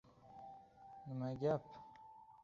Yolg‘izlik yaxshimi, yolg‘iz ayollar!?